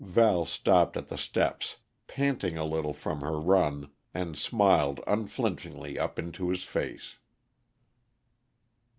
Val stopped at the steps, panting a little from her run, and smiled unflinchingly up into his face.